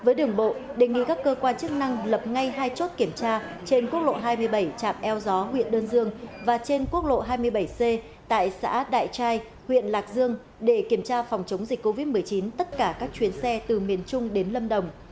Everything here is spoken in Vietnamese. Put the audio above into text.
với đường bộ đề nghị các cơ quan chức năng lập ngay hai chốt kiểm tra trên quốc lộ hai mươi bảy trạm eo gió huyện đơn dương và trên quốc lộ hai mươi bảy c tại xã đại trai huyện lạc dương để kiểm tra phòng chống dịch covid một mươi chín tất cả các chuyến xe từ miền trung đến lâm đồng